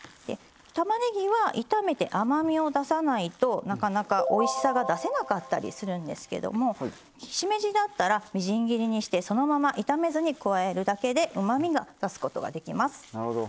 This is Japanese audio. たまねぎは炒めて甘みを出さないとなかなか、おいしさが出せなかったりするんですけどもしめじだったらみじん切りにしてそのまま炒めずに加えるだけでうまみを出すことができます。